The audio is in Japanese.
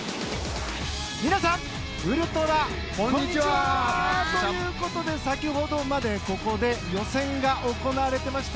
皆さん、ウルトラこんにちは！ということで先ほどまで、ここで予選が行われていました。